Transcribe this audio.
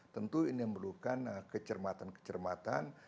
tentu ini memerlukan kecermatan kecermatan